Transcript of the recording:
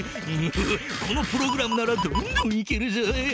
このプログラムならどんどん行けるぞ。